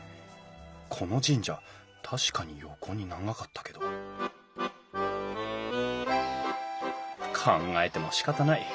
この神社確かに横に長かったけど考えてもしかたない。